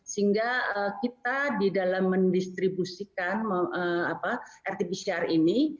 sehingga kita di dalam mendistribusikan rt pcr ini